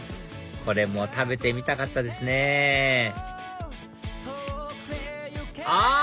これも食べてみたかったですねあっ！